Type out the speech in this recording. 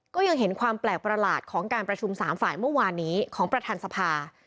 ก็ยังเห็นความแปลกประหลาดของการประชุม๓ฝ่ายเมื่อวานนี้ของประธานสภา